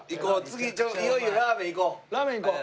次いよいよラーメン行こう。